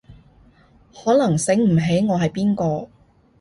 可能醒唔起我係邊個